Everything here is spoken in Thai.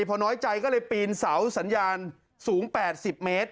พอน้อยใจก็เลยปีนเสาสัญญาณสูง๘๐เมตร